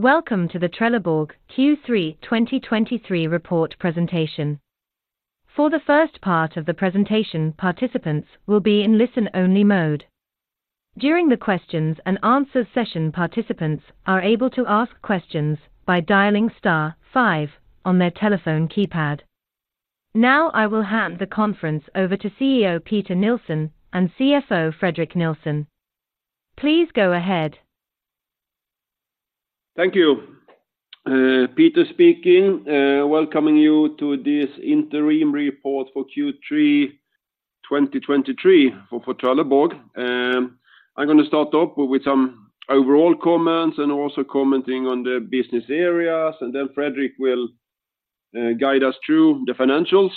Welcome to the Trelleborg Q3 2023 report presentation. For the first part of the presentation, participants will be in listen-only mode. During the questions and answers session, participants are able to ask questions by dialing star five on their telephone keypad. Now, I will hand the conference over to CEO Peter Nilsson and CFO Fredrik Nilsson. Please go ahead. Thank you. Peter speaking, welcoming you to this interim report for Q3 2023 for Trelleborg. I'm going to start off with some overall comments and also commenting on the business areas, and then Fredrik will guide us through the financials,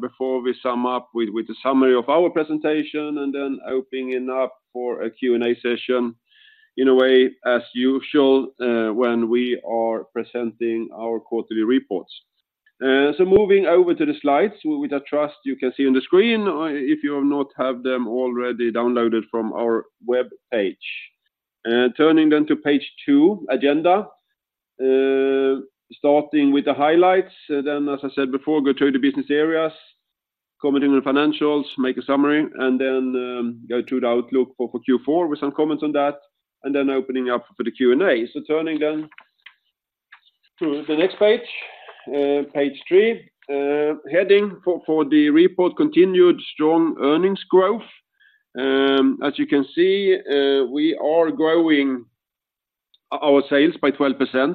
before we sum up with a summary of our presentation, and then opening it up for a Q&A session, in a way, as usual, when we are presenting our quarterly reports. So moving over to the slides, which I trust you can see on the screen, if you have not already downloaded them from our web page. Turning then to page two, agenda. Starting with the highlights, then, as I said before, go through the business areas, commenting on financials, make a summary, and then go to the outlook for Q4 with some comments on that, and then opening up for the Q&A. So turning then to the next page, page three. Heading for the report, continued strong earnings growth. As you can see, we are growing our sales by 12%,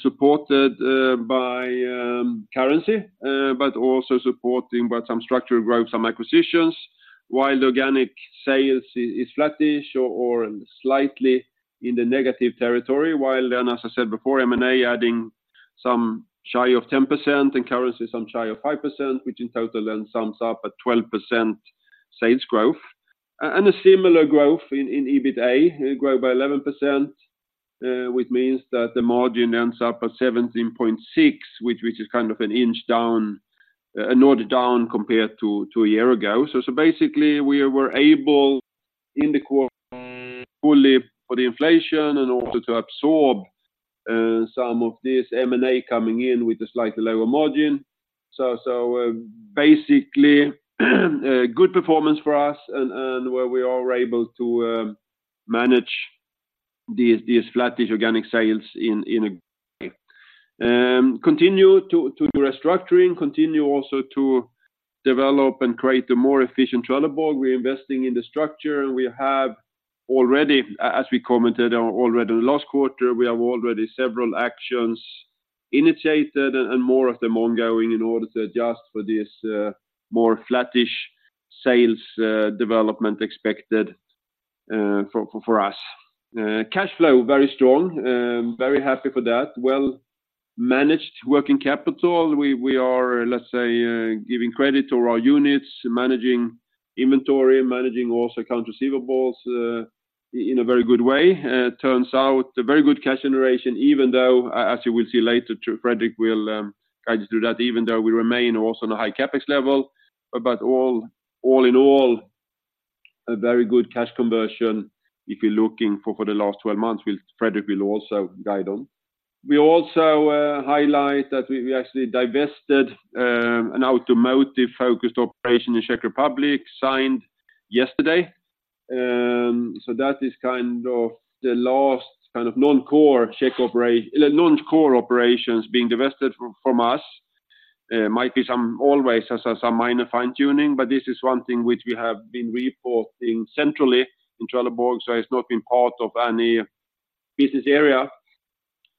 supported by currency but also supporting by some structural growth, some acquisitions, while organic sales is flattish or slightly in the negative territory, while then, as I said before, M&A adding some shy of 10% and currency some shy of 5%, which in total then sums up a 12% sales growth. And a similar growth in EBITA, grow by 11%, which means that the margin ends up at 17.6%, which is kind of an inch down, a notch down compared to a year ago. So, basically, we were able in the quarter fully for the inflation and also to absorb some of this M&A coming in with a slightly lower margin. So, basically, a good performance for us and where we are able to manage these flattish organic sales in a way. Continue to restructuring, continue also to develop and create a more efficient Trelleborg. We're investing in the structure, and we have already, as we commented on already last quarter, we have already several actions initiated and more of them ongoing in order to adjust for this, more flattish sales development expected, for us. Cash flow, very strong. Very happy for that. Well-managed working capital. We are, let's say, giving credit to our units, managing inventory, managing also account receivables, in a very good way. Turns out a very good cash generation, even though, as you will see later, Fredrik will guide you through that, even though we remain also on a high CapEx level. But all in all, a very good cash conversion if you're looking for the last 12 months, which Fredrik will also guide on. We also highlight that we actually divested an automotive-focused operation in Czech Republic, signed yesterday. So that is kind of the last kind of non-core operations being divested from us. Might be some always some minor fine-tuning, but this is one thing which we have been reporting centrally in Trelleborg, so it's not been part of any business area.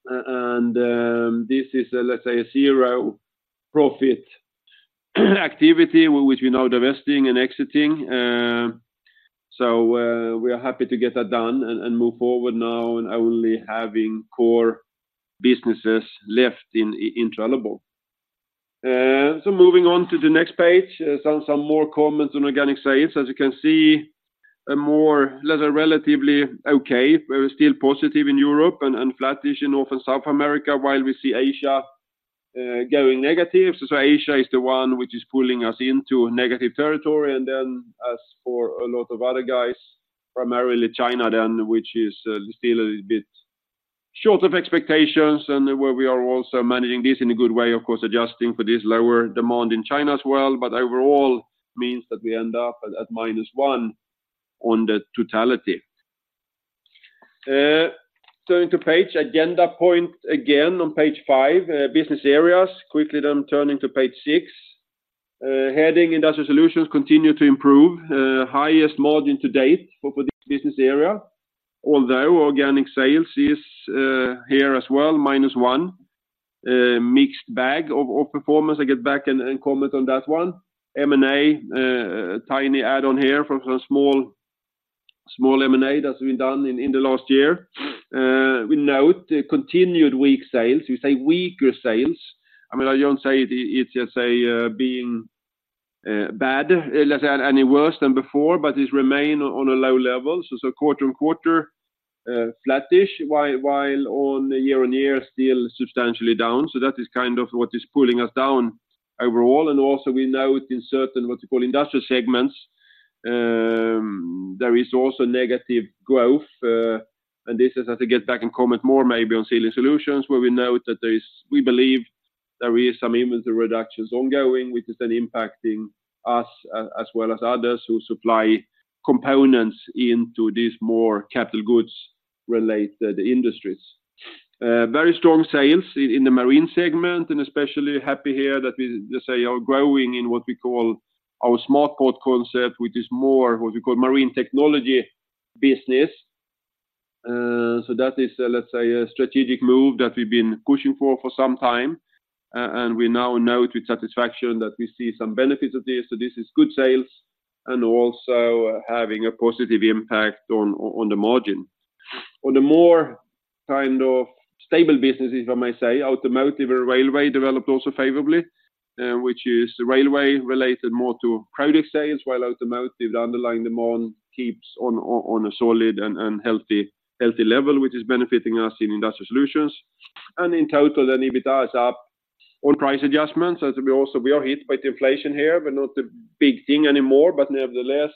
And this is, let's say, a zero-profit activity which we now divesting and exiting. So we are happy to get that done and move forward now and only having core businesses left in Trelleborg. So moving on to the next page, some more comments on organic sales. As you can see, more or less a relatively okay, we're still positive in Europe and flattish in North and South America, while we see Asia going negative. So Asia is the one which is pulling us into a negative territory. And then as for a lot of other guys, primarily China, then, which is still a little bit short of expectations and where we are also managing this in a good way, of course, adjusting for this lower demand in China as well, but overall means that we end up at minus one on the totality. Turning to page, agenda point again on page five, business areas. Quickly then turning to page six. Heading, Industrial Solutions continue to improve, highest margin to date for this business area, although organic sales is here as well, -1%, mixed bag of performance. I'll get back and comment on that one. M&A, a tiny add on here from a small, small M&A that's been done in the last year. We note the continued weak sales. We say weaker sales. I mean, I don't say it, it's just a being bad, let's say, any worse than before, but it's remain on a low level. So quarter-on-quarter, flattish, while on year-on-year, still substantially down. So that is kind of what is pulling us down overall. Also, we note in certain, what you call industrial segments... There is also negative growth, and this is as I get back and comment more maybe on Sealing Solutions, where we note that we believe there is some inventory reductions ongoing, which is then impacting us as well as others who supply components into these more capital goods related industries. Very strong sales in the marine segment, and especially happy here that we, let's say, are growing in what we call our SmartPort concept, which is more what we call marine technology business. So that is, let's say, a strategic move that we've been pushing for for some time, and we now note with satisfaction that we see some benefits of this. So this is good sales and also having a positive impact on the margin. On the more kind of stable businesses, if I may say, automotive and railway developed also favorably, which is railway related more to product sales, while automotive, the underlying demand keeps on a solid and healthy level, which is benefiting us in Industrial Solutions. And in total, then EBITDA is up on price adjustments, as we are hit by the inflation here, but not a big thing anymore. But nevertheless,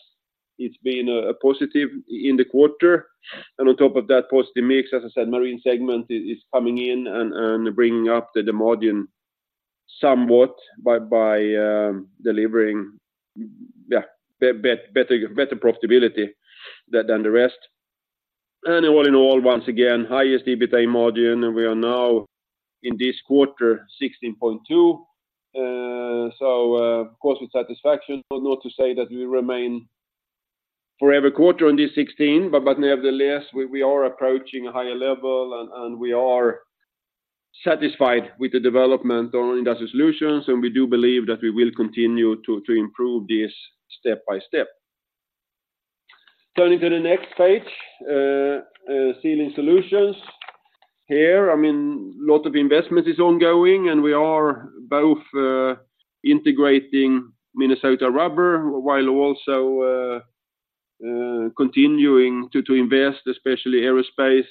it's been a positive in the quarter, and on top of that, positive mix, as I said, marine segment is coming in and bringing up the margin somewhat by delivering better profitability than the rest. And all in all, once again, highest EBITDA margin, and we are now in this quarter, 16.2%. So, of course, with satisfaction, but not to say that we remain for every quarter on this 16, but nevertheless, we are approaching a higher level, and we are satisfied with the development on Industrial Solutions, and we do believe that we will continue to improve this step by step. Turning to the next page, Sealing Solutions. Here, I mean, a lot of investment is ongoing, and we are both integrating Minnesota Rubber, while also continuing to invest, especially aerospace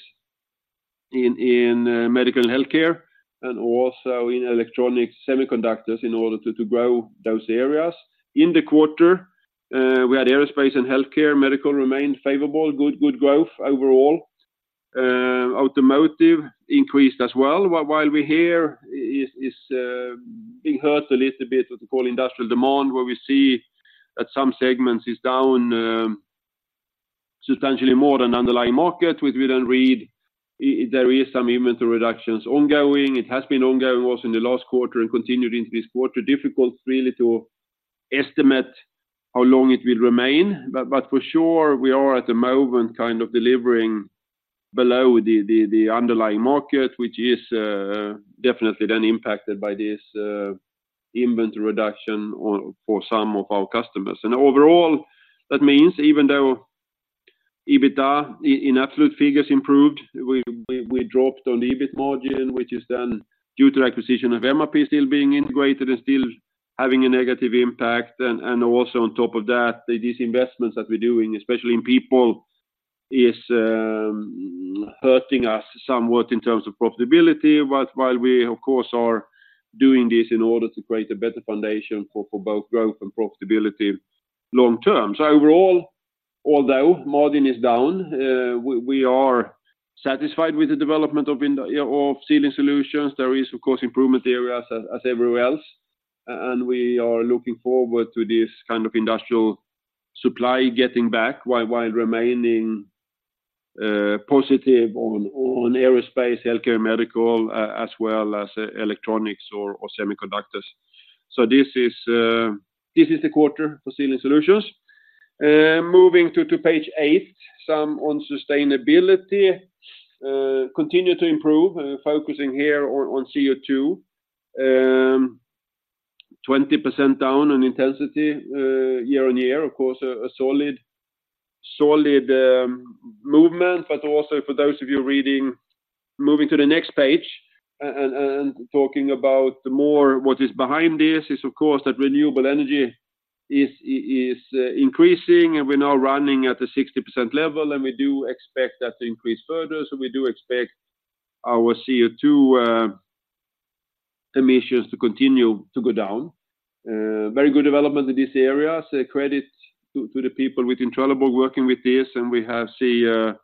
and medical and healthcare, and also in electronic semiconductors in order to grow those areas. In the quarter, we had aerospace and healthcare and medical remained favorable, good growth overall. Automotive increased as well, while we here is being hurt a little bit, what we call industrial demand, where we see that some segments is down substantially more than underlying market, which we then read there is some inventory reductions ongoing. It has been ongoing also in the last quarter and continued into this quarter. Difficult really to estimate how long it will remain, but for sure, we are at the moment kind of delivering below the underlying market, which is definitely then impacted by this inventory reduction for some of our customers. And overall, that means even though EBITDA in absolute figures improved, we dropped on the EBIT margin, which is then due to acquisition of MRP still being integrated and still having a negative impact. Also on top of that, these investments that we're doing, especially in people, is hurting us somewhat in terms of profitability, but while we, of course, are doing this in order to create a better foundation for both growth and profitability long term. So overall, although margin is down, we are satisfied with the development of Sealing Solutions. There is, of course, improvement areas as everywhere else, and we are looking forward to this kind of industrial supply getting back, while remaining positive on aerospace, healthcare and medical, as well as electronics or semiconductors. So this is the quarter for Sealing Solutions. Moving to page eight, some on sustainability. Continue to improve, focusing here on CO2. 20% down on intensity, year-on-year, of course, a solid movement, but also for those of you reading, moving to the next page and talking about more what is behind this, is, of course, that renewable energy is increasing, and we're now running at a 60% level, and we do expect that to increase further. So we do expect our CO2 emissions to continue to go down. Very good development in this area. So credit to the people within Trelleborg working with this, and we have, say, a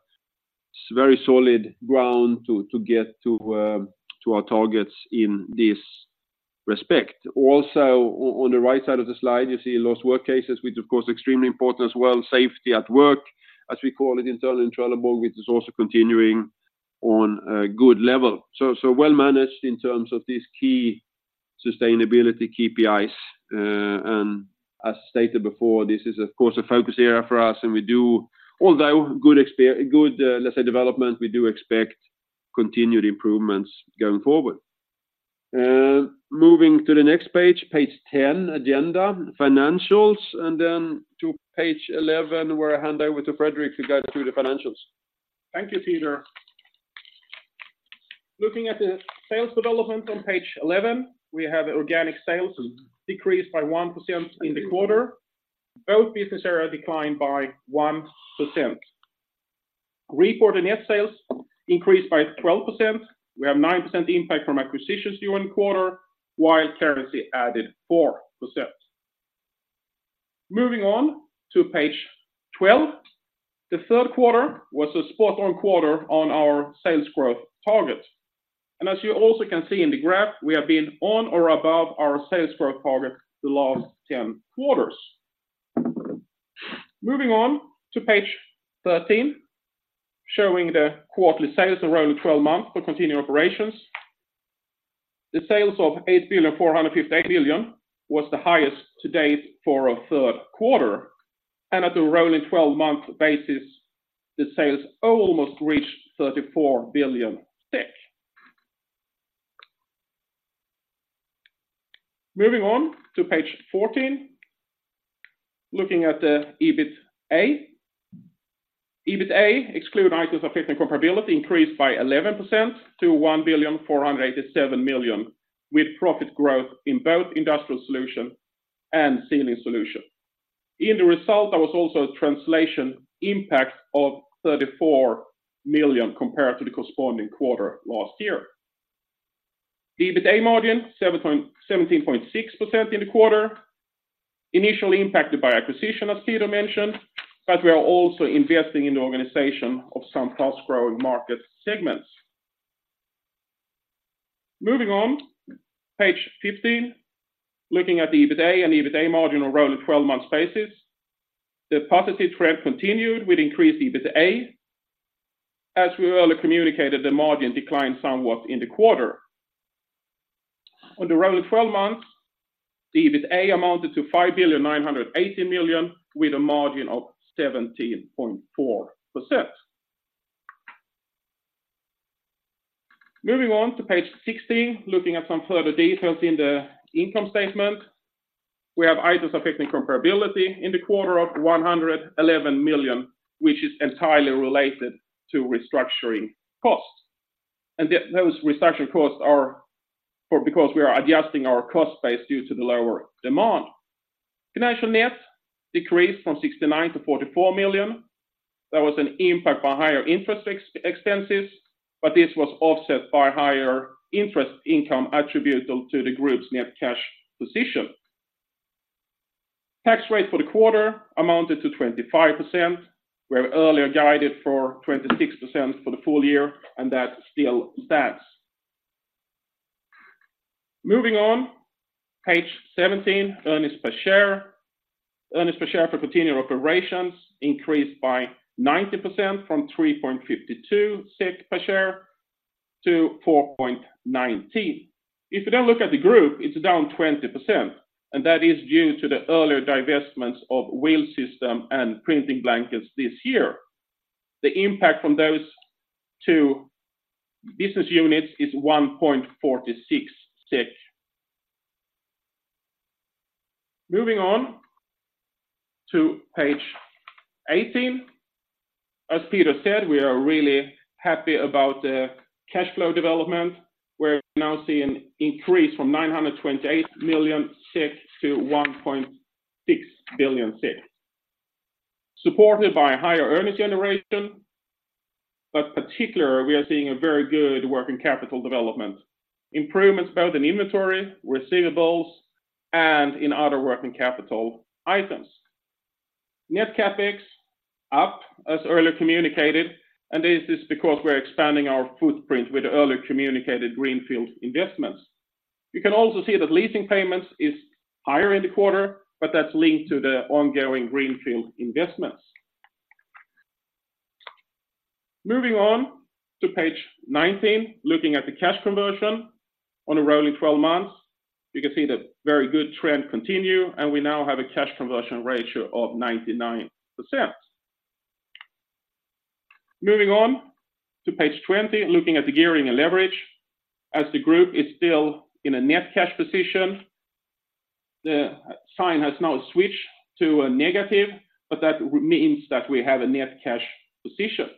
very solid ground to get to our targets in this respect. Also, on the right side of the slide, you see lost work cases, which, of course, extremely important as well. Safety at work, as we call it internally in Trelleborg, which is also continuing on a good level. So, so well managed in terms of these key sustainability KPIs, and as stated before, this is of course a focus area for us, and we do... Although, good, let's say, development, we do expect continued improvements going forward. Moving to the next page, page 10, agenda, financials, and then to page 11, where I hand over to Fredrik to guide through the financials. Thank you, Peter. Looking at the sales development on page 11, we have organic sales decreased by 1% in the quarter. Both business area declined by 1%. Group order net sales increased by 12%. We have 9% impact from acquisitions during the quarter, while currency added 4%. Moving on to page 12, the third quarter was a spot on quarter on our sales growth target. And as you also can see in the graph, we have been on or above our sales growth target the last 10 quarters. Moving on to page 13, showing the quarterly sales of rolling 12 months for continuing operations. The sales of 8.458 billion was the highest to date for a third quarter, and at the rolling 12-month basis, the sales almost reached 34 billion. Moving on to page 14, looking at the EBITA. EBITA excluding items affecting comparability increased by 11% to 1,487 million, with profit growth in both Industrial Solutions and Sealing Solutions. In the result, there was also a translation impact of 34 million compared to the corresponding quarter last year. EBITA margin 17.6% in the quarter, initially impacted by acquisition, as Peter mentioned, but we are also investing in the organization of some fast-growing market segments. Moving on, page 15, looking at the EBITA and EBITA margin on rolling 12-month basis. The positive trend continued with increased EBITA. As we earlier communicated, the margin declined somewhat in the quarter. On the rolling 12 months, the EBITA amounted to 5,980 million, with a margin of 17.4%. Moving on to page 16, looking at some further details in the income statement, we have items affecting comparability in the quarter of 111 million, which is entirely related to restructuring costs. Those restructuring costs are for because we are adjusting our cost base due to the lower demand. Financial net decreased from 69 million-44 million. There was an impact by higher interest expenses, but this was offset by higher interest income attributable to the group's net cash position. Tax rate for the quarter amounted to 25%. We have earlier guided for 26% for the full year, and that still stands. Moving on, page 17, earnings per share. Earnings per share for continuing operations increased by 90% from 3.52 SEK per share to 4.19. If you don't look at the group, it's down 20%, and that is due to the earlier divestments of Wheel Systems and printing blankets this year. The impact from those two business units is SEK 1.46. Moving on to page 18. As Peter said, we are really happy about the cash flow development. We're now seeing an increase from 928 million-1.6 billion, supported by a higher earnings generation, but in particular, we are seeing a very good working capital development, improvements both in inventory, receivables, and in other working capital items. Net CapEx up, as earlier communicated, and this is because we're expanding our footprint with the earlier communicated greenfield investments. You can also see that leasing payments is higher in the quarter, but that's linked to the ongoing greenfield investments. Moving on to page 19, looking at the cash conversion on a rolling 12 months, you can see the very good trend continue, and we now have a cash conversion ratio of 99%. Moving on to page 20, looking at the gearing and leverage. As the group is still in a net cash position, the sign has now switched to a negative, but that means that we have a net cash position.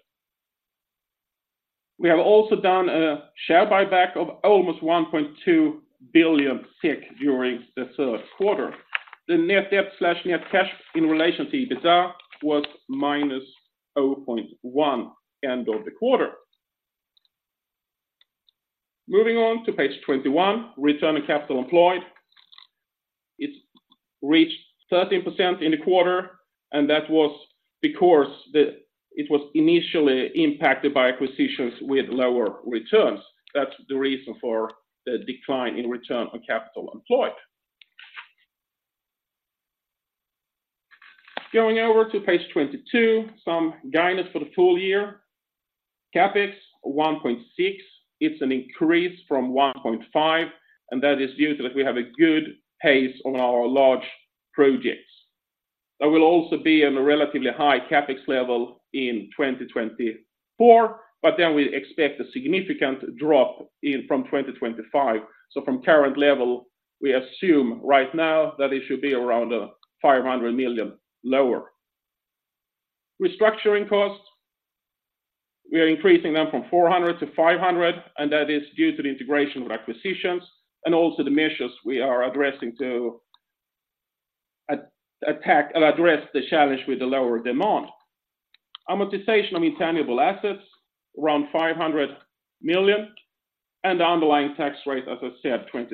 We have also done a share buyback of almost 1.2 billion during the third quarter. The net debt/net cash in relation to EBITA was -0.1% end of the quarter. Moving on to page 21, return on capital employed. It reached 13% in the quarter, and that was because it was initially impacted by acquisitions with lower returns. That's the reason for the decline in return on capital employed. Going over to page 22, some guidance for the full year. CapEx, 1.6 billion, it's an increase from 1.5 billion, and that is due to that we have a good pace on our large projects. That will also be on a relatively high CapEx level in 2024, but then we expect a significant drop in from 2025. So from current level, we assume right now that it should be around 500 million lower. Restructuring costs, we are increasing them from 400 million-500 million, and that is due to the integration of acquisitions and also the measures we are addressing, to attack and address the challenge with the lower demand. Amortization of intangible assets, around 500 million, and the underlying tax rate, as I said, 26%.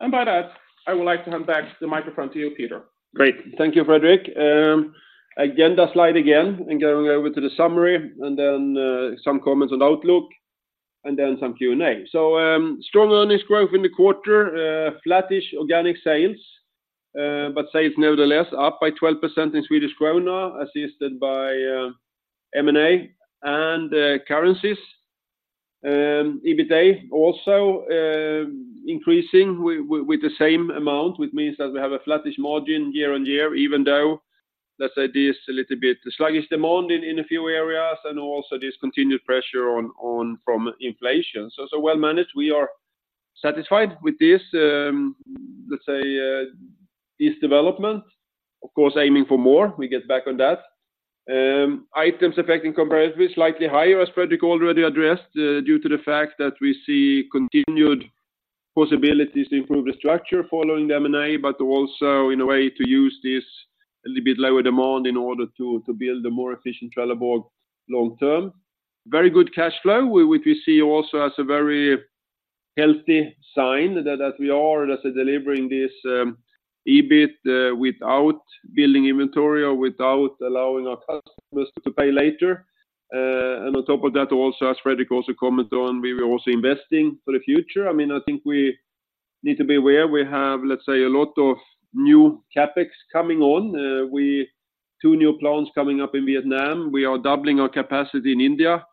And by that, I would like to hand back the microphone to you, Peter. Great. Thank you, Fredrik. Agenda slide again, and going over to the summary, and then some comments on outlook, and then some Q&A. So, strong earnings growth in the quarter, flattish organic sales, but sales nevertheless up by 12% in Swedish krona, assisted by M&A and currencies. EBITA also increasing with the same amount, which means that we have a flattish margin year-on-year, even though, let's say, there's a little bit sluggish demand in a few areas, and also there's continued pressure from inflation. So well managed. We are satisfied with this, let's say, this development. Of course, aiming for more, we get back on that. Items affecting comparably, slightly higher, as Fredrik already addressed, due to the fact that we see continued possibilities to improve the structure following the M&A, but also in a way to use this a little bit lower demand in order to build a more efficient Trelleborg long term. Very good cash flow, which we see also as a very healthy sign that, as we are, let's say, delivering this, EBIT, without building inventory or without allowing our customers to pay later. On top of that also, as Fredrik also commented on, we are also investing for the future. I mean, I think we need to be aware we have, let's say, a lot of new CapEx coming on. Two new plants coming up in Vietnam. We are doubling our capacity in India.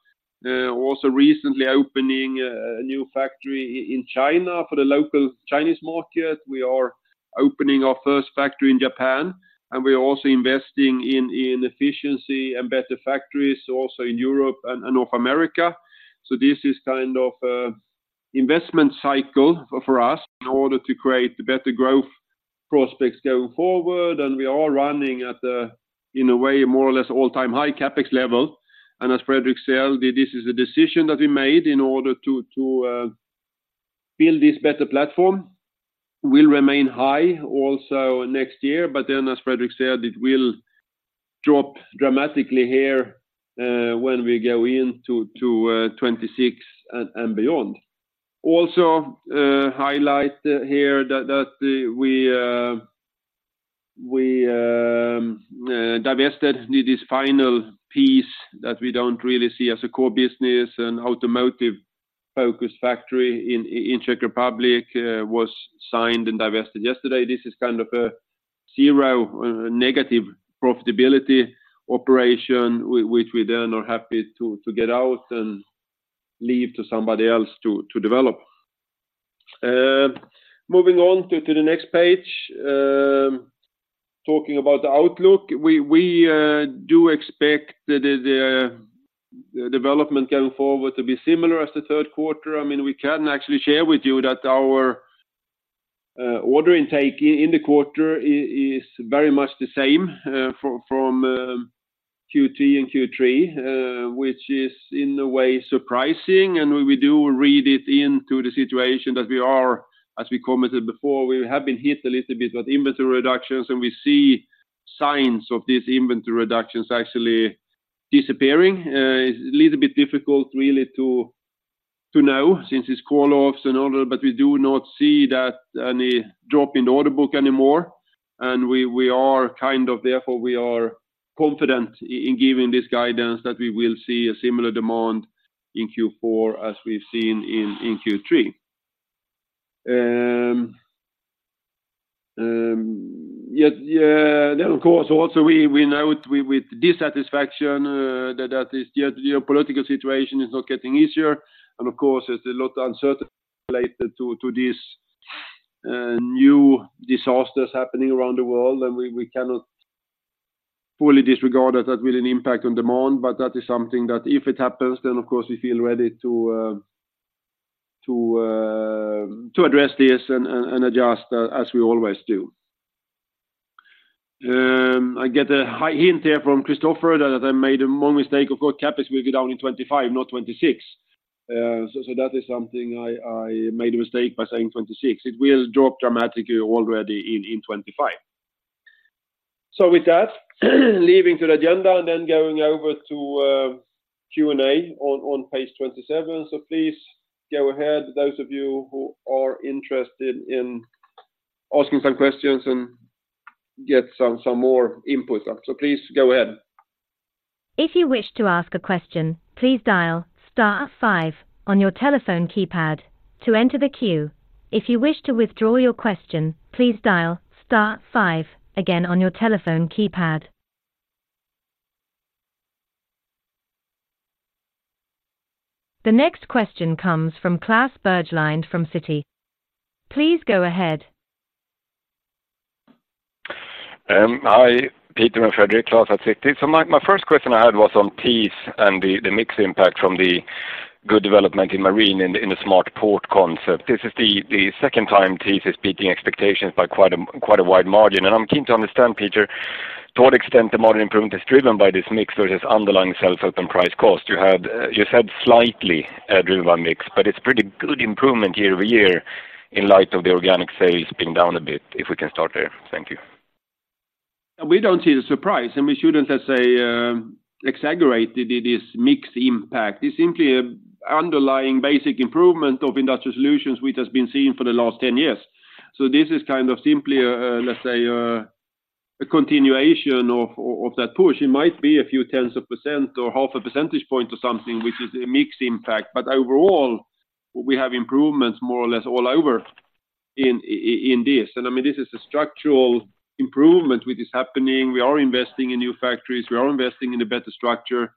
Also recently opening a new factory in China for the local Chinese market. We are opening our first factory in Japan, and we are also investing in efficiency and better factories, also in Europe and North America. So this is kind of a investment cycle for us in order to create better growth prospects going forward, and we are running at a, in a way, more or less all-time high CapEx level. And as Fredrik said, this is a decision that we made in order to build this better platform, will remain high also next year. But then, as Fredrik said, it will drop dramatically here when we go into 2026 and beyond. Also, highlight here that we divested this final piece that we don't really see as a core business, an automotive-focused factory in the Czech Republic, was signed and divested yesterday. This is kind of a zero, negative profitability operation, which we then are happy to get out and leave to somebody else to develop. Moving on to the next page, talking about the outlook, we do expect the development going forward to be similar as the third quarter. I mean, we can actually share with you that our order intake in the quarter is very much the same from Q2 and Q3, which is in a way surprising, and we do read it into the situation that we are, as we commented before, we have been hit a little bit with inventory reductions, and we see signs of these inventory reductions actually disappearing. It's a little bit difficult really to know, since it's call offs and all, but we do not see that any drop in order book anymore, and we are kind of therefore, we are confident in giving this guidance that we will see a similar demand in Q4 as we've seen in Q3. Yes, yeah, then, of course, also we note with dissatisfaction that the geopolitical situation is not getting easier, and of course, there's a lot of uncertainty related to this new disasters happening around the world, and we cannot fully disregard that that will an impact on demand, but that is something that if it happens, then of course, we feel ready to address this and adjust as we always do. I get a high hint here from Christopher that I made one mistake. Of course, CapEx will be down in 2025, not 2026. So that is something I made a mistake by saying 2026. It will drop dramatically already in 2025. So with that, leaving to the agenda and then going over to Q&A on page 27. So please go ahead, those of you who are interested in asking some questions and get some more input. So please go ahead. If you wish to ask a question, please dial star five on your telephone keypad to enter the queue. If you wish to withdraw your question, please dial star five again on your telephone keypad. The next question comes from Klas Bergelind from Citi. Please go ahead. Hi, Peter and Fredrik, Klas at Citi. So my first question I had was on TIS and the mix impact from the good development in marine in the SmartPort concept. This is the second time TIS is beating expectations by quite a wide margin, and I'm keen to understand, Peter—to what extent the margin improvement is driven by this mix versus underlying sales open price cost? You had—you said slightly driven by mix, but it's pretty good improvement year-over-year in light of the organic sales being down a bit, if we can start there. Thank you. We don't see the surprise, and we shouldn't, let's say, exaggerate this mix impact. It's simply a underlying basic improvement of Industrial Solutions, which has been seen for the last 10 years. So this is kind of simply a, let's say, a continuation of that push. It might be a few tenths of % or half a percentage point or something, which is a mix impact. But overall, we have improvements, more or less, all over in this. And, I mean, this is a structural improvement, which is happening. We are investing in new factories, we are investing in a better structure.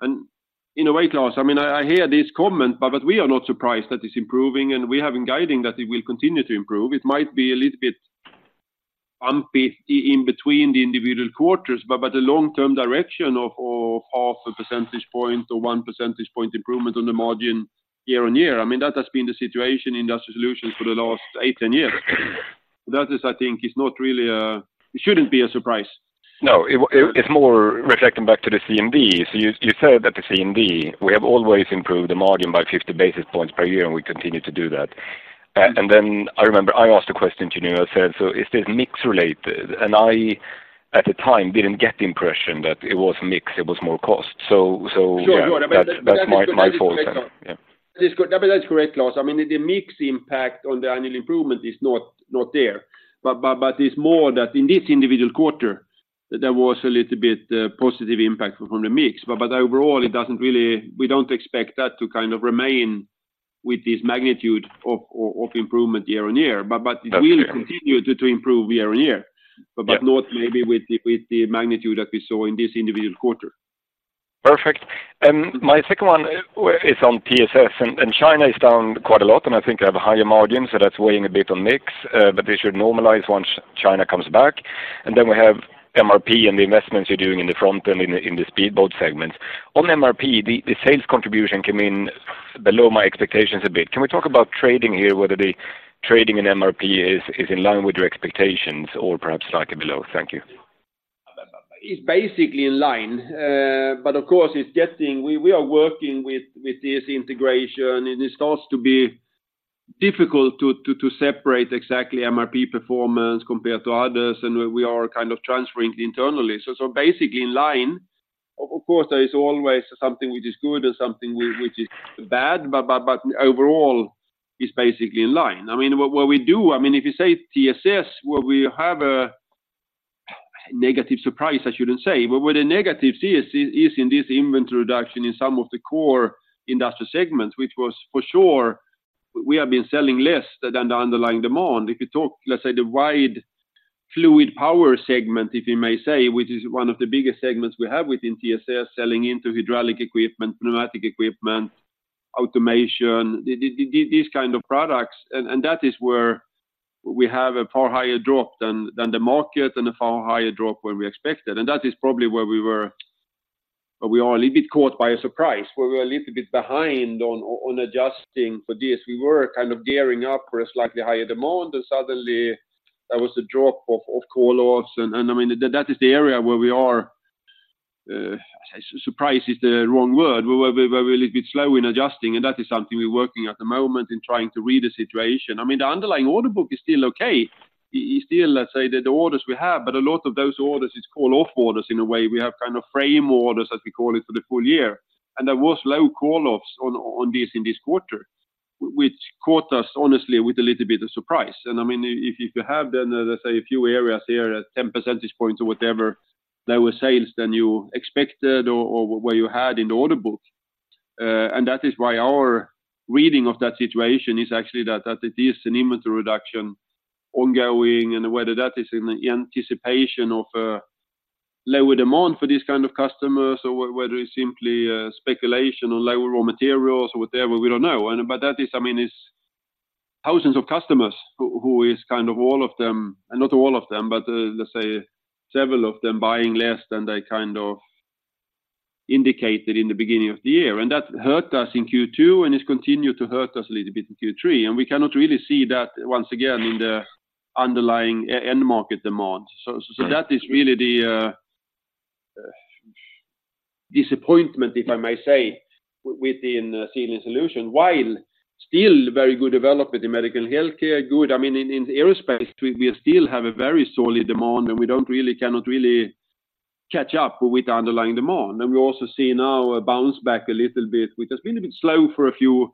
And in a way, Klas, I mean, I hear this comment, but we are not surprised that it's improving, and we have been guiding that it will continue to improve. It might be a little bit bumpy in between the individual quarters, but the long-term direction of 0.5 percentage point or 1 percentage point improvement on the margin year-on-year, I mean, that has been the situation in Industrial Solutions for the last eight, 10 years. That is, I think, not really a surprise. No, it's more reflecting back to the CMD. So you said that the CMD, we have always improved the margin by 50 basis points per year, and we continue to do that. And then I remember I asked a question to you, and you said, "So is this mix-related?" And I, at the time, didn't get the impression that it was mix, it was more cost. So, so- Sure. That's, that's my fault then. Yeah. That's correct, Klas. I mean, the mix impact on the annual improvement is not there, but it's more that in this individual quarter, there was a little bit positive impact from the mix. But overall, it doesn't really-- we don't expect that to kind of remain with this magnitude of improvement year-on-year. Okay. But it will continue to improve year-on-year- Yeah... but not maybe with the magnitude that we saw in this individual quarter. Perfect. My second one is on TSS, and China is down quite a lot, and I think I have a higher margin, so that's weighing a bit on mix, but they should normalize once China comes back. And then we have MRP and the investments you're doing in the front end in the speedboat segment. On MRP, the sales contribution came in below my expectations a bit. Can we talk about trading here, whether the trading in MRP is in line with your expectations or perhaps like below? Thank you. It's basically in line, but of course, it's getting, we are working with this integration, and it starts to be difficult to separate exactly MRP performance compared to others, and we are kind of transferring internally. So basically in line, of course, there is always something which is good and something which is bad, but overall, it's basically in line. I mean, what we do, I mean, if you say TSS, where we have a negative surprise, I shouldn't say, but where the negative is in this inventory reduction in some of the core industrial segments, which was for sure, we have been selling less than the underlying demand. If you talk, let's say, the wide fluid power segment, if you may say, which is one of the biggest segments we have within TSS, selling into hydraulic equipment, pneumatic equipment, automation, these kind of products, and that is where we have a far higher drop than the market and a far higher drop than we expected. And that is probably where we were, we are a little bit caught by a surprise, where we are a little bit behind on adjusting for this. We were kind of gearing up for a slightly higher demand, and suddenly there was a drop of call-offs, and, I mean, that is the area where we are surprised is the wrong word. We were a little bit slow in adjusting, and that is something we're working at the moment in trying to read the situation. I mean, the underlying order book is still okay. It's still, let's say, the orders we have, but a lot of those orders is call-off orders in a way. We have kind of frame orders, as we call it, for the full year. And there was low call-offs on this in this quarter, which caught us, honestly, with a little bit of surprise. And I mean, if you have, then, let's say, a few areas here at 10 percentage points or whatever, lower sales than you expected or where you had in the order book. And that is why our reading of that situation is actually that it is an inventory reduction ongoing, and whether that is in anticipation of a lower demand for this kind of customers or whether it's simply a speculation on lower raw materials or whatever, we don't know. But that is, I mean, it's thousands of customers who is kind of all of them, not all of them, but, let's say several of them buying less than they kind of indicated in the beginning of the year. And that hurt us in Q2, and it continued to hurt us a little bit in Q3, and we cannot really see that once again in the underlying end market demand. So that is really the disappointment, if I may say, within the Sealing Solutions, while still very good development in medical and healthcare, good. I mean, in aerospace, we still have a very solid demand, and we don't really cannot really catch up with the underlying demand. We also see now a bounce back a little bit, which has been a bit slow for a few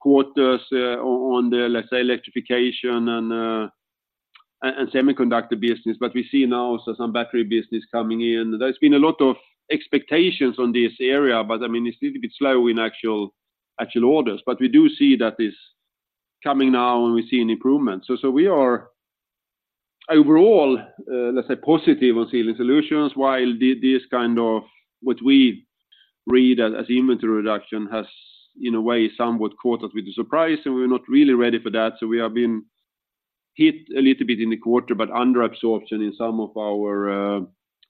quarters, on the, let's say, electrification and semiconductor business, but we see now so some battery business coming in. There's been a lot of expectations on this area, but I mean, it's still a bit slow in actual, actual orders. But we do see that it's coming now, and we see an improvement. So we are overall, let's say, positive on Sealing Solutions, while this kind of what we read as inventory reduction has, in a way, somewhat caught us with the surprise, and we're not really ready for that. So we have been hit a little bit in the quarter, but under absorption in some of our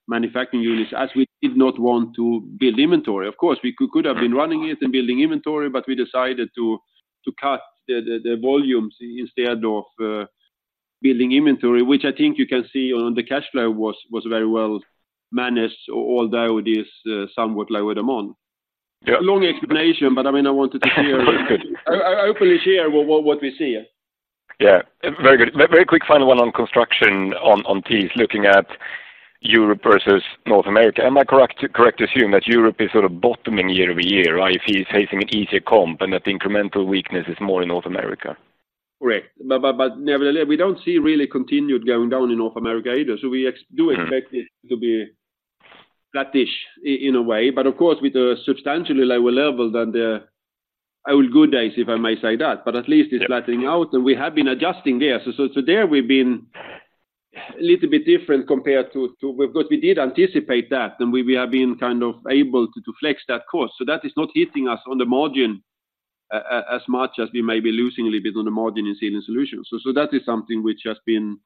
manufacturing units, as we did not want to build inventory. Of course, we could have been running it and building inventory, but we decided to cut the volumes instead of building inventory, which I think you can see on the cash flow was very well managed, although it is somewhat lower demand... Yeah, long explanation, but I mean, I wanted to hear openly share what we see. Yeah, very good. Very, very quick final one on construction on TIS, looking at Europe versus North America. Am I correct to assume that Europe is sort of bottoming year-over-year, if it's facing an easier comp, and that the incremental weakness is more in North America? Correct. But nevertheless, we don't see really continued going down in North America either. So we do expect it to be flattish in a way, but of course, with a substantially lower level than the old good days, if I may say that, but at least it's flattening out, and we have been adjusting there. So there, we've been a little bit different compared to because we did anticipate that, and we have been kind of able to flex that course. So that is not hitting us on the margin, as much as we may be losing a little bit on the margin in Sealing Solutions. So that is something which has been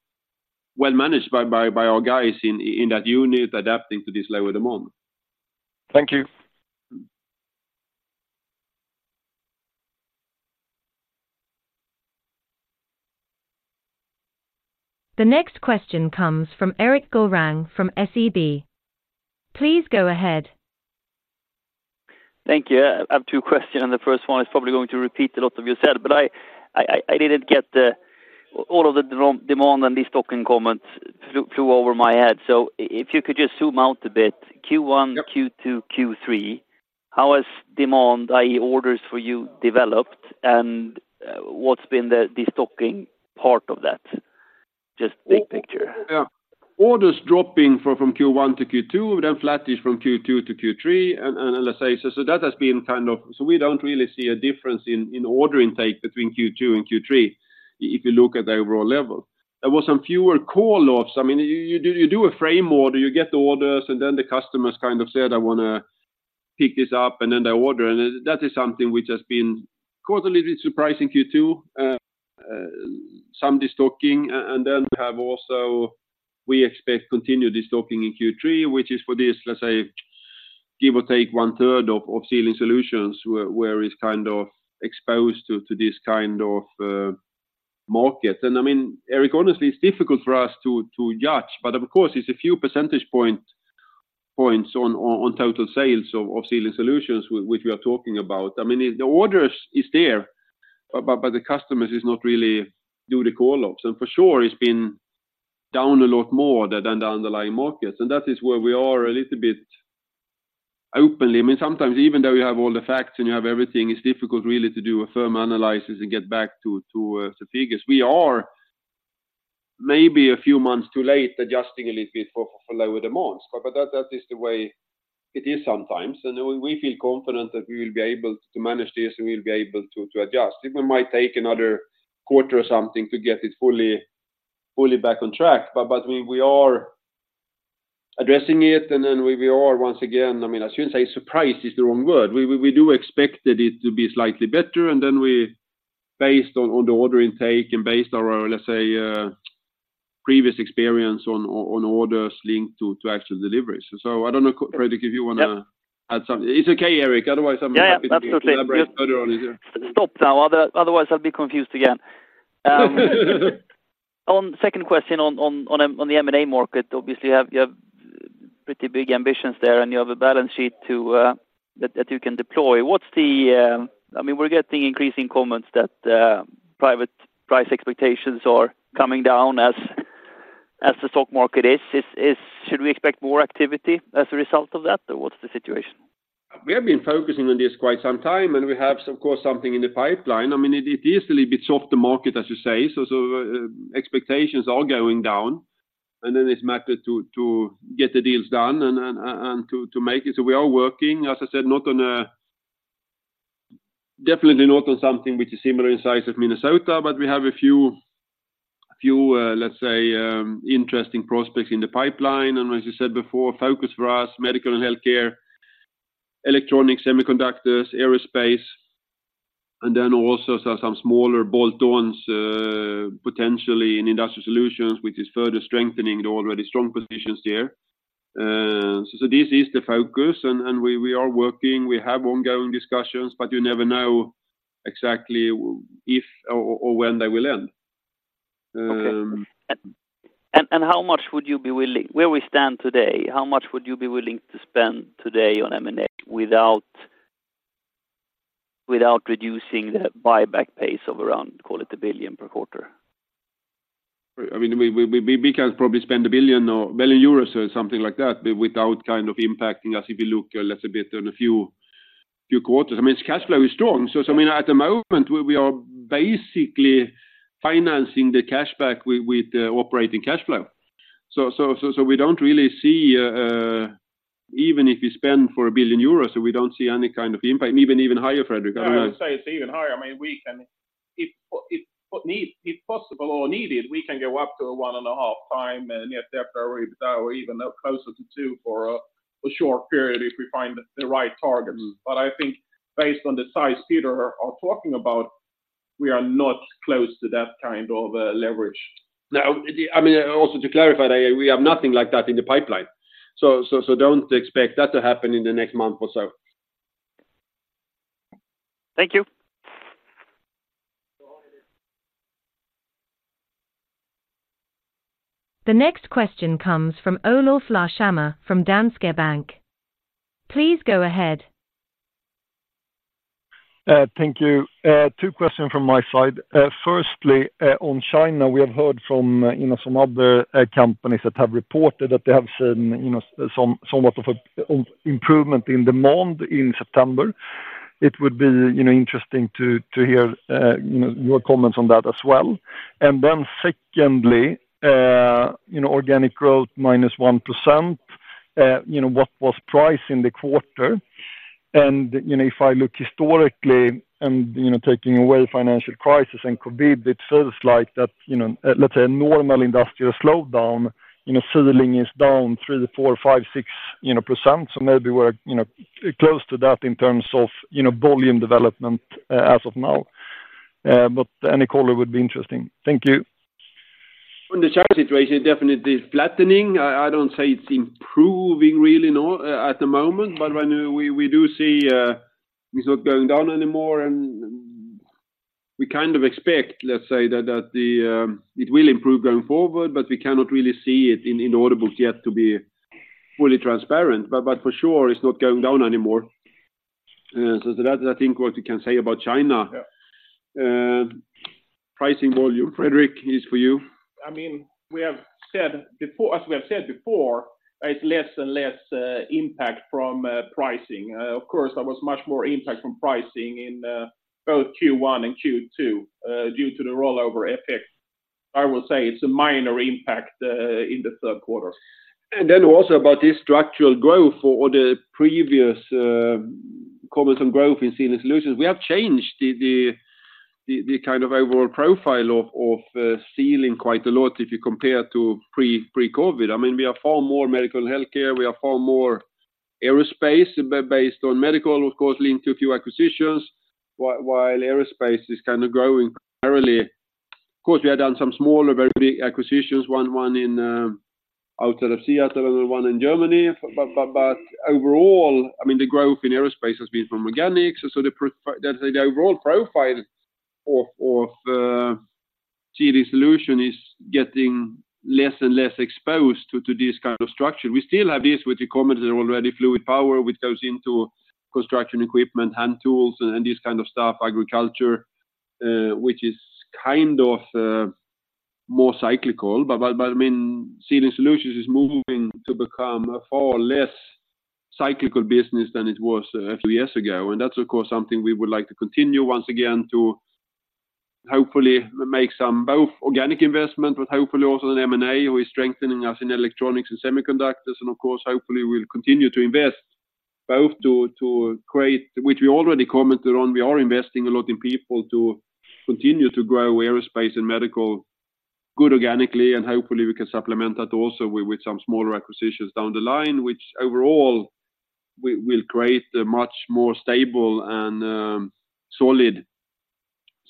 well managed by our guys in that unit, adapting to this lower demand. Thank you. The next question comes from Erik Golrang from SEB. Please go ahead. Thank you. I have two questions, and the first one is probably going to repeat a lot of you said, but I didn't get the... All of the demand and these talking comments flew over my head. So if you could just zoom out a bit, Q1, Q2, Q3, how has demand, i.e., orders for you developed, and what's been the destocking part of that? Just big picture. Yeah. Orders dropping from Q1 to Q2, then flattish from Q2 to Q3. And let's say, so that has been kind of. So we don't really see a difference in order intake between Q2 and Q3, if you look at the overall level. There were some fewer call-offs. I mean, you do a frame order, you get the orders, and then the customers kind of said, I wanna pick this up, and then they order. And that is something which has been quarterly bit surprising Q2, some destocking. And then we have also, we expect continued destocking in Q3, which is for this, let's say, give or take one-third of Sealing Solutions, where is kind of exposed to this kind of market. I mean, Erik, honestly, it's difficult for us to judge, but of course, it's a few percentage points on total sales of Sealing Solutions, which we are talking about. I mean, the orders is there, but the customers is not really do the call-ups. So for sure, it's been down a lot more than the underlying markets, and that is where we are a little bit openly. I mean, sometimes even though you have all the facts and you have everything, it's difficult really to do a firm analysis and get back to the figures. We are maybe a few months too late, adjusting a little bit for lower demands, but that is the way it is sometimes. And we feel confident that we will be able to manage this, and we'll be able to adjust. It might take another quarter or something to get it fully, fully back on track, but, but we, we are addressing it, and then we, we are once again, I mean, I shouldn't say surprised is the wrong word. We, we, we do expect it to be slightly better, and then we based on, on the order intake and based on, let's say, previous experience on, on orders linked to, to actual deliveries. So I don't know, Fredrik, if you want to add something. It's okay, Erik, otherwise, I'm happy to elaborate further on this. Stop now, otherwise, I'll be confused again. On the second question on the M&A market, obviously, you have pretty big ambitions there, and you have a balance sheet that you can deploy. What's the... I mean, we're getting increasing comments that private price expectations are coming down as the stock market is. Should we expect more activity as a result of that, or what's the situation? We have been focusing on this for quite some time, and we have, of course, something in the pipeline. I mean, it is a little bit soft, the market, as you say, so expectations are going down, and then it's a matter to get the deals done and to make it. So we are working, as I said, not on a—definitely not on something which is similar in size of Minnesota, but we have a few, few, let's say, interesting prospects in the pipeline. And as you said before, focus for us, medical and healthcare, electronics, semiconductors, aerospace, and then also some smaller bolt-ons potentially in Industrial Solutions, which is further strengthening the already strong positions there. So this is the focus, and we are working. We have ongoing discussions, but you never know exactly if or when they will end. Okay. And how much would you be willing... Where we stand today, how much would you be willing to spend today on M&A without reducing the buyback pace of around, call it, 1 billion per quarter? I mean, we can probably spend 1 billion or billion euros or something like that without kind of impacting us if you look a little bit on a few quarters. I mean, cash flow is strong. So I mean, at the moment, we are basically financing the CapEx with operating cash flow. So we don't really see, even if you spend for 1 billion euros, so we don't see any kind of impact, even higher, Fredrik. I would say it's even higher. I mean, we can, if possible or needed, we can go up to 1.5x, and yet after, or even closer to 2x for a short period if we find the right targets. But I think based on the size Peter are talking about, we are not close to that kind of a leverage. Now, I mean, also to clarify, that we have nothing like that in the pipeline, so don't expect that to happen in the next month or so. Thank you. The next question comes from Olof Larshammar from Danske Bank. Please go ahead. Thank you. Two questions from my side. Firstly, on China, we have heard from, you know, some other companies that have reported that they have seen, you know, some, somewhat of a improvement in demand in September. It would be, you know, interesting to hear, you know, your comments on that as well. Then secondly, you know, organic growth -1%, you know, what was price in the quarter? And, you know, if I look historically and, you know, taking away financial crisis and COVID, it feels like that, you know, let's say a normal industrial slowdown, you know, ceiling is down 3%-4%, 5%-6%. So maybe we're, you know, close to that in terms of, you know, volume development, as of now. But any call would be interesting. Thank you. On the China situation, it definitely is flattening. I don't say it's improving really, no, at the moment, but when we do see, it's not going down anymore, and we kind of expect, let's say that it will improve going forward, but we cannot really see it in order books yet to be fully transparent. But for sure, it's not going down anymore. So that I think what we can say about China. Yeah. Pricing volume, Fredrik, is for you. I mean, we have said before—as we have said before, it's less and less impact from pricing. Of course, there was much more impact from pricing in both Q1 and Q2 due to the rollover effect. I will say it's a minor impact in the third quarter. And then also about this structural growth or the previous comments on growth in Sealing Solutions, we have changed the kind of overall profile of Sealing Solutions quite a lot if you compare to pre-COVID. I mean, we are far more medical and healthcare, we are far more aerospace, based on medical, of course, linked to a few acquisitions, while aerospace is kind of growing primarily. Of course, we have done some smaller, very big acquisitions, one outside of Seattle, another one in Germany. But overall, I mean, the growth in aerospace has been from organic, so the overall profile of Sealing Solutions is getting less and less exposed to this kind of structure. We still have this, which you commented already, fluid power, which goes into construction equipment, hand tools, and this kind of stuff, agriculture, which is kind of more cyclical. But I mean, Sealing Solutions is moving to become a far less cyclical business than it was a few years ago. And that's, of course, something we would like to continue once again to hopefully make some, both organic investment, but hopefully also an M&A, who is strengthening us in electronics and semiconductors. And of course, hopefully, we'll continue to invest both to create, which we already commented on, we are investing a lot in people to continue to grow aerospace and medical good organically, and hopefully we can supplement that also with some smaller acquisitions down the line, which overall will create a much more stable and solid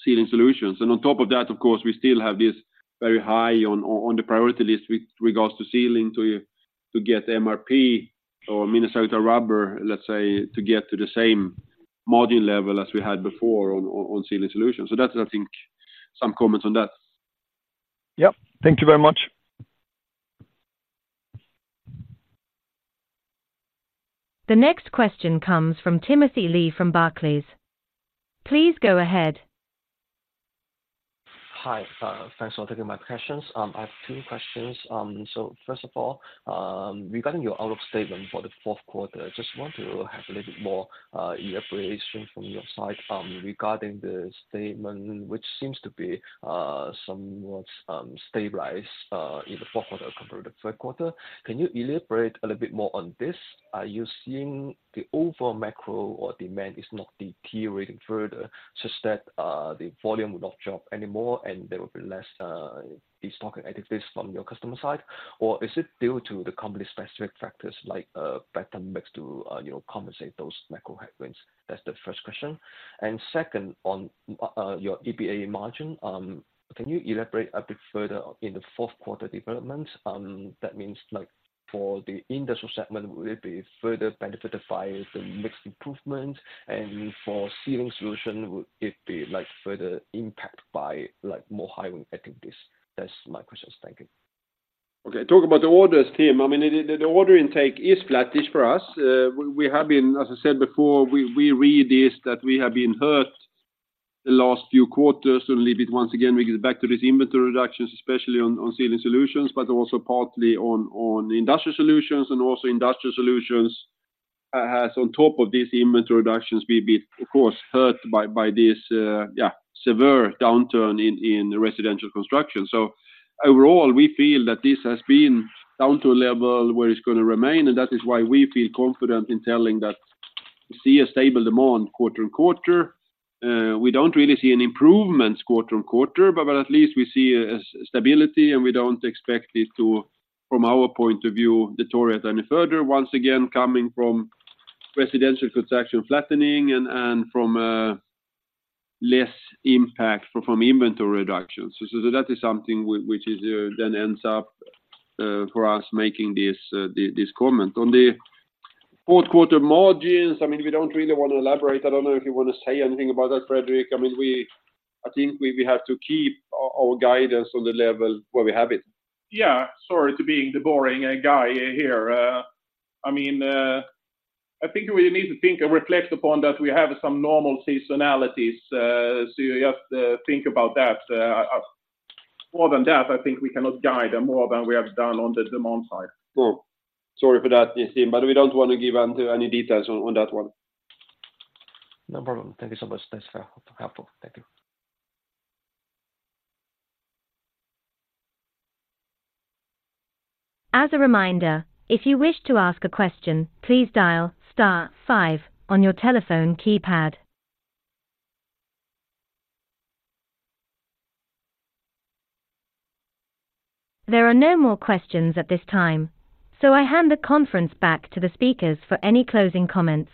Sealing Solutions. And on top of that, of course, we still have this very high on the priority list with regards to Sealing, to get MRP or Minnesota Rubber, let's say, to get to the same module level as we had before on Sealing Solutions. So that's, I think, some comments on that. Yep. Thank you very much. The next question comes from Timothy Lee from Barclays. Please go ahead. Hi, thanks for taking my questions. I have two questions. So first of all, regarding your outlook statement for the fourth quarter, I just want to have a little bit more elaboration from your side regarding the statement, which seems to be somewhat stabilized in the fourth quarter compared to the third quarter. Can you elaborate a little bit more on this? Are you seeing the overall macro or demand is not deteriorating further, such that the volume will not drop anymore, and there will be less stock activities from your customer side? Or is it due to the company-specific factors like better mix to you know compensate those macro headwinds? That's the first question. And second, on your EBITA margin, can you elaborate a bit further in the fourth quarter development? That means like for the industrial segment, will it be further benefit by the mixed improvement? And for Sealing Solution, would it be, like, further impact by, like, more hiring activities? That's my questions. Thank you. Okay. Talk about the orders, Tim. I mean, the order intake is flattish for us. We have been, as I said before, we reiterated this, that we have been hurt the last few quarters, and a little bit once again, we get back to this inventory reductions, especially on Sealing Solutions, but also partly on Industrial Solutions. And also Industrial Solutions has on top of this inventory reductions, we've been, of course, hurt by this severe downturn in residential construction. So overall, we feel that this has been down to a level where it's going to remain, and that is why we feel confident in telling that we see a stable demand quarter and quarter. We don't really see an improvement quarter and quarter, but at least we see a stability, and we don't expect it to, from our point of view, deteriorate any further. Once again, coming from residential construction flattening and from less impact from inventory reductions. So that is something which is then ends up for us making this comment. On the fourth quarter margins, I mean, we don't really want to elaborate. I don't know if you want to say anything about that, Fredrik. I mean, we have to keep our guidance on the level where we have it. Yeah, sorry to being the boring, guy here. I mean, I think we need to think and reflect upon that we have some normal seasonalities, so you have to think about that. More than that, I think we cannot guide more than we have done on the demand side. Cool. Sorry for that, Timothy, but we don't want to give out any details on that one. No problem. Thank you so much, that's helpful. Thank you. As a reminder, if you wish to ask a question, please dial star five on your telephone keypad. There are no more questions at this time, so I hand the conference back to the speakers for any closing comments.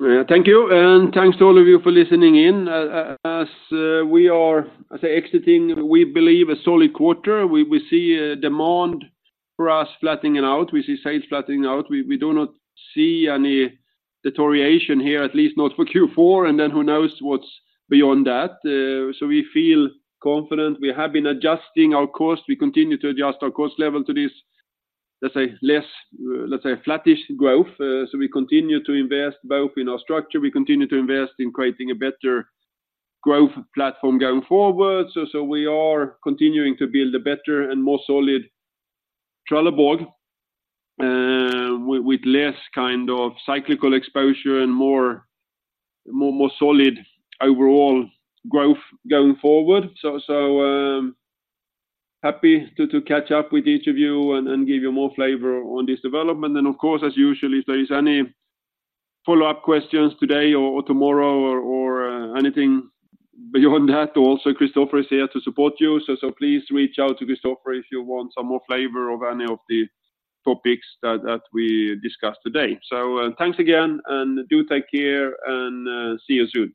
Yeah, thank you, and thanks to all of you for listening in. As we are exiting, we believe a solid quarter. We see a demand for us flattening out, we see sales flattening out. We do not see any deterioration here, at least not for Q4, and then who knows what's beyond that? So we feel confident. We have been adjusting our cost. We continue to adjust our cost level to this, let's say, less, let's say flattish growth. So we continue to invest both in our structure, we continue to invest in creating a better growth platform going forward. So we are continuing to build a better and more solid Trelleborg, with less kind of cyclical exposure and more solid overall growth going forward. Happy to catch up with each of you and give you more flavor on this development. And of course, as usual, if there is any follow-up questions today or tomorrow or anything beyond that, also, Christopher is here to support you. So please reach out to Christopher if you want some more flavor of any of the topics that we discussed today. So, thanks again, and do take care, and see you soon.